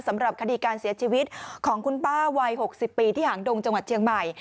สำหรับคดีการเสียชีวิตของคุณป้าวัย๖๐ปีที่หางดงจังหวัดเชียงใหม่